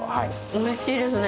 おいしいですね。